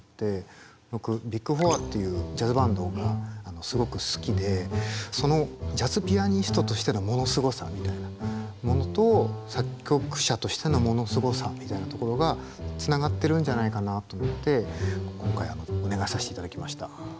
僕ビッグ・フォアっていうジャズバンドがすごく好きでそのジャズピアニストとしてのものすごさみたいなものと作曲者としてのものすごさみたいなところがつながってるんじゃないかなと思って今回お願いさせていただきました。